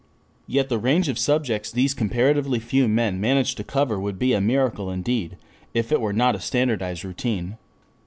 Yet the range of subjects these comparatively few men manage to cover would be a miracle indeed, if it were not a standardized routine.